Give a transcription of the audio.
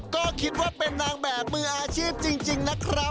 ก็คิดว่าเป็นนางแบบมืออาชีพจริงนะครับ